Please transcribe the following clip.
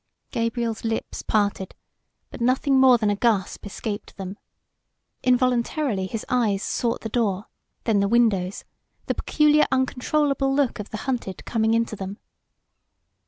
Gabriel's lips parted, but nothing more than a gasp escaped them. Involuntarily his eyes sought the door, then the windows, the peculiar uncontrollable look of the hunted coming into them.